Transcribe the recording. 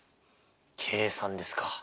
計算ですか。